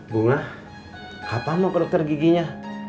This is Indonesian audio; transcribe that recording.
bunga kapan mau ke dokter giginya